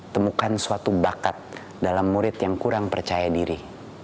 temukan suatu bakat dalam murid yang kurang percaya diri